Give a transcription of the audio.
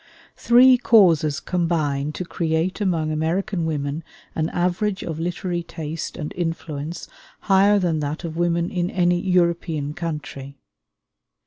Three causes combine to create among American women an average of literary taste and influence higher than that of women in any European country.